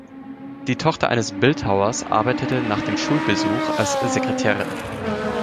Die Tochter eines Bildhauers arbeitete nach dem Schulbesuch als Sekretärin.